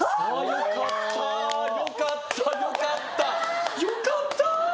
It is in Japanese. よかったよかったよかったよかったー！